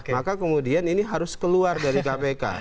maka kemudian ini harus keluar dari kpk